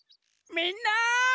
みんな！